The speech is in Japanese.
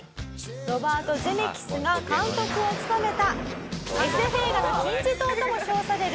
ロバート・ゼメキスが監督を務めたＳＦ映画の金字塔とも称される